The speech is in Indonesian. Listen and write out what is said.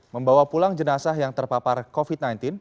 membawa pulang jenazah yang terpapar covid sembilan belas